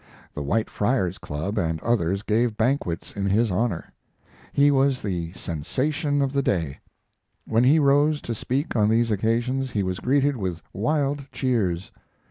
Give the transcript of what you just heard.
The White Friars' Club and others gave banquets in his honor. He was the sensation of the day. When he rose to speak on these occasions he was greeted with wild cheers.